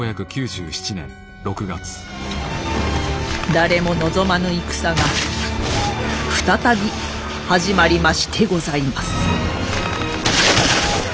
誰も望まぬ戦が再び始まりましてございます。